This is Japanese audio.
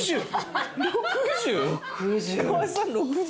６０？